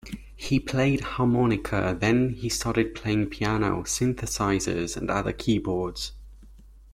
He played harmonica, then he started playing piano, synthesizers and other keyboards.